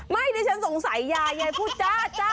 ไม่ยดิฉันสงสัยยายยายพูดจ้า